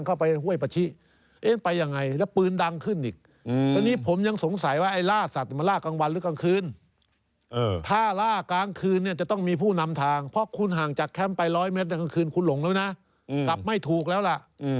คืนคุณหลงแล้วนะกลับไม่ถูกแล้วล่ะ